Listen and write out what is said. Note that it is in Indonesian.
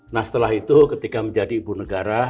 nah setelah itu ketika menjadi ibu negara